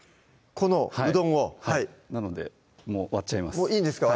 このうどんをはいなのでもう割っちゃいますいいんですか？